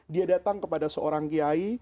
dia datang kepada seorang kiai